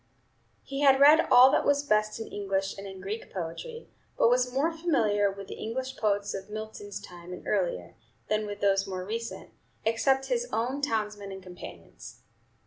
He had read all that was best in English and in Greek poetry, but was more familiar with the English poets of Milton's time and earlier, than with those more recent, except his own townsmen and companions.